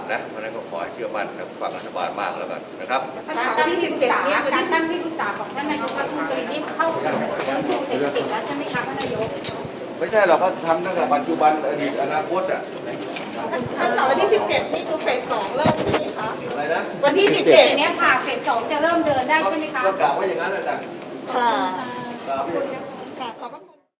เพราะฉะนั้นก็ขอให้เชื่อมั่นในฝั่งรัฐบาลมากแล้วกันนะครับ